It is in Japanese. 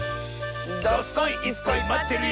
どすこいいすこいまってるよ！